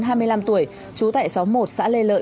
hai mươi năm tuổi trú tại xóm một xã lê lợi